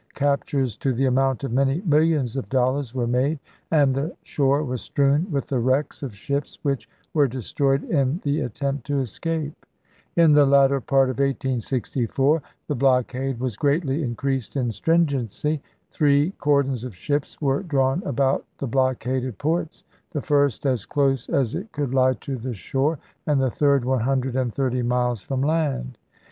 Captures to the amount of many millions of dollars were made, and the shore was strewn with the wrecks of ships which were destroyed in the attempt to escape. In the latter part of 1864 the blockade was greatly in creased in stringency. Three cordons of ships were drawn about the blockaded ports ; the first as close as it could lie to the shore, and the third one hun dred and thirty miles from land.